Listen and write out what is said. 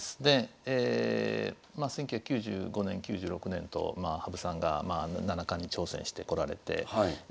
１９９５年９６年と羽生さんが七冠に挑戦してこられて